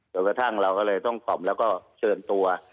กระทั่งเราก็เลยต้องขอมแล้วก็เชิญตัว